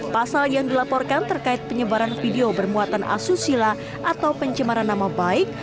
pasal yang dilaporkan terkait penyebaran video bermuatan asusila atau pencemaran nama baik